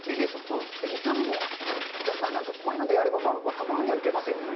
見た目も、なんかこういうのであれば、若者には受けますよね。